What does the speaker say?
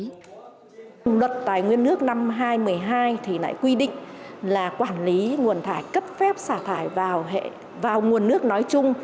luật tài nguyên nước năm hai nghìn một mươi hai thì lại quy định là quản lý nguồn thải cấp phép xả thải vào nguồn nước nói chung